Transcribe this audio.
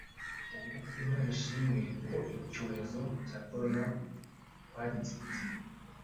Imana ishimwe ko icyorezo cya corona twagitsinze".